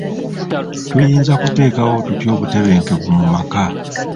Tuyinza kuteekawo tutya obutebenkevu mu maka?